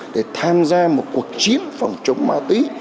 để tham gia một cuộc chiến phòng chống ma túy